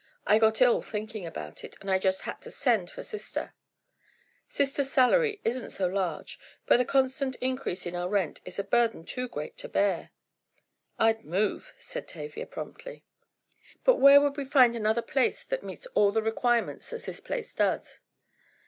I got ill thinking about it, and I just had to send for sister. Sister's salary isn't so large, and the constant increase in our rent is a burden too great to bear." "I'd move," said Tavia, promptly. "But where would we find another place that meets all the requirements as this place does?